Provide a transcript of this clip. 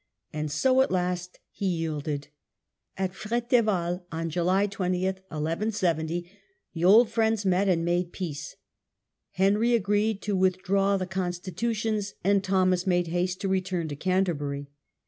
And so at last he yielded. At Fr^teval, on July 20, 1 1 70, the old friends met and made peace. Henry agreed to withdraw the Constitutions, and Thomas made haste to return to Canterbury.